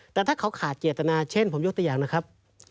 แต่ถ้าเขาขาดเจตนาเช่นผมยกตัวอย่างนะครับ